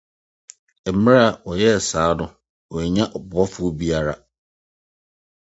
Bere a ɔyɛɛ saa no, wannya ɔboafo biara.